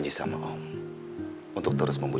jadi kita bisa bebas